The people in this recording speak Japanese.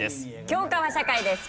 教科は社会です。